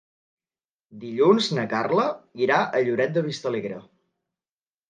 Dilluns na Carla irà a Lloret de Vistalegre.